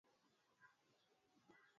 Juzi kuliwaka jua kali.